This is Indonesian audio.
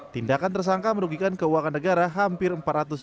tindakan tersangka merugikan keuangan negara hampir empat ratus